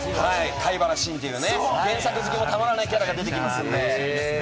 海原神という、原作でもたまらないキャラが出てきます。